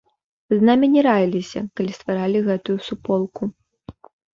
З намі не раіліся, калі стваралі гэтую суполку.